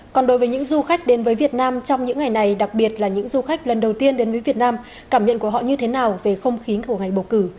còn đối với những du khách đến với việt nam trong những ngày này đặc biệt là những du khách lần đầu tiên đến núi việt nam cảm nhận của họ như thế nào về không khí của ngày bầu cử